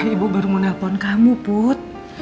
ibu baru mau nelfon kamu put